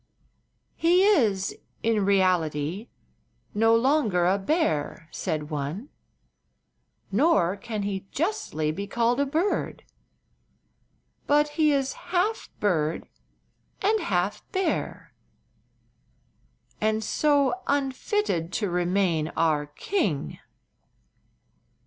"He is, in reality, no longer a bear," said one; "nor can he justly be called a bird. But he is half bird and half bear, and so unfitted to remain our king."